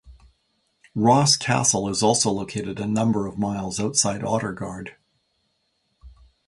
Ross Castle is also located a number of miles outside Oughterard.